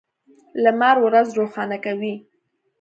لمر ورځ روښانه کوي.